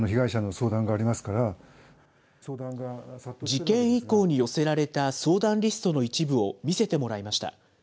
事件以降に寄せられた相談リストの一部を見せてもらいました。